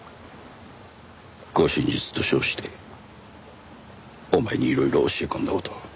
護身術と称してお前にいろいろ教え込んだ事。